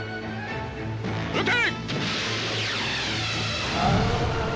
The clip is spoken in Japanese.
撃て！